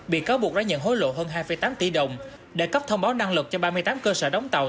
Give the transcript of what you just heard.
bị cáo buộc đã nhận hối lộ hơn hai tám tỷ đồng để cấp thông báo năng lực cho ba mươi tám cơ sở đóng tàu